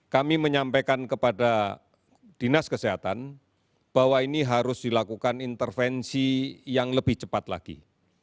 kami menyampaikan kepada dinas kesehatan bahwa ini harus dilakukan intervensi yang lebih cepat lagi